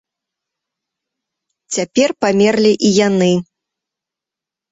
Цяпер памерлі і яны.